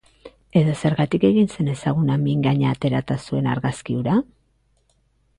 Edo zergatik egin zen ezaguna mingaina aterata zuen argazki hura?